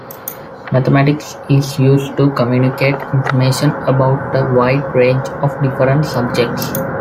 Mathematics is used to communicate information about a wide range of different subjects.